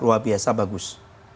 luar biasa bagus